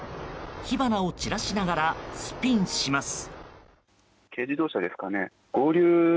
火花を散らしながらスピンします。